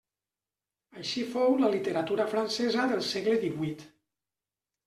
Així fou la literatura francesa del segle divuit.